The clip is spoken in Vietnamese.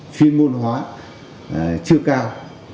phi môn hóa chưa cao